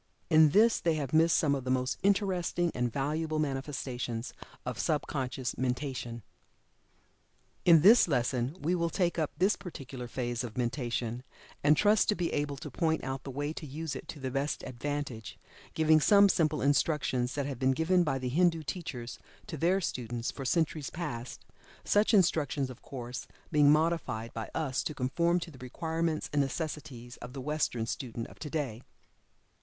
In this they have missed some of the most interesting and valuable manifestations of sub conscious mentation. In this lesson we will take up this particular phase of mentation, and trust to be able to point out the way to use it to the best advantage, giving some simple instructions that have been given by the Hindu teachers to their students for centuries past, such instructions of course, being modified by us to conform to the requirements and necessities of the Western student of today.